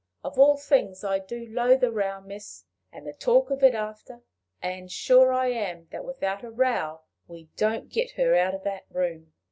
Of all things I do loathe a row, miss and the talk of it after; and sure I am that without a row we don't get her out of that room.